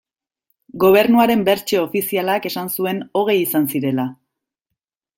Gobernuaren bertsio ofizialak esan zuen hogei izan zirela.